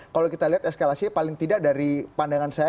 kalau kita lihat eskalasinya paling tidak dari pandangan saya